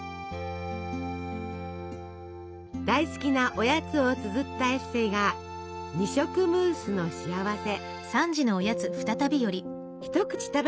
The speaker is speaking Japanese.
大好きなおやつをつづったエッセイが「二色ムースのしあわせ」。